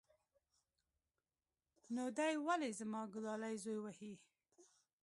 نو دى ولې زما گلالى زوى وهي.